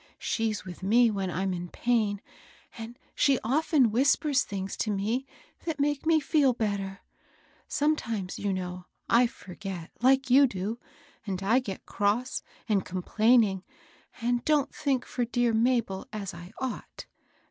She's with me when I'm in pain, and she often whispers things to me that make me feel better. Sometimes, yoa GOOD ANGELS. 179 know, I forget, like you do, and I get cross and complaining and don't think for dear Mabel as I ought.